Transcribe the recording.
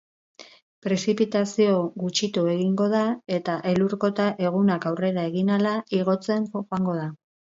Prezipitazioa gutxitu egingo da eta elur-kota egunak aurrera egin ahala igotzen joango da.